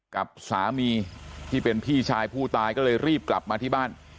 กับสามีที่เป็นพี่ชายผู้ตายก็เลยรีบกลับมาที่บ้าน